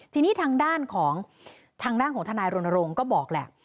ทีนี้ทางด้านของทางด้านของทนายรณรงค์ก็บอกแหละ